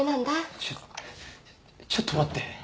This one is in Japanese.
ちょっちょっと待って。